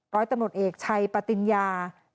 ร้อยตำรวจเอกชัยปติญญา